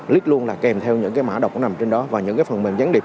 lít luôn là kèm theo những cái mã đọc nằm trên đó và những cái phần mềm gián điệp